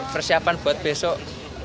persiapan buat besok